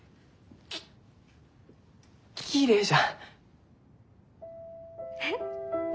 ききれいじゃ！